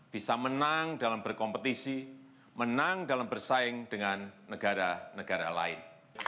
bisa menang dalam berkompetisi menang dalam bersaing dengan negara negara lain